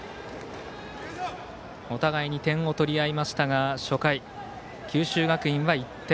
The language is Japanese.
お互いに点を取り合いましたが初回、九州学院は１点。